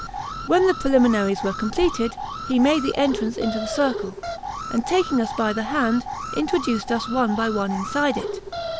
When the preliminaries were completed, he made the entrance into the circle; and taking us by the hand, introduced us one by one inside it.